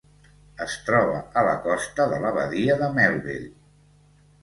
Es troba a la costa de la Badia de Melville.